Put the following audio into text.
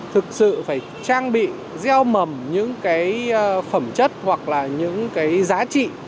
thực sự phải trang bị gieo mầm những cái phẩm chất hoặc là những cái giá trị